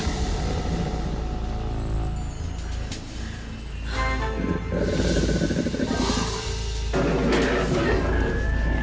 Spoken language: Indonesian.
kau tidak bisa membunuhnya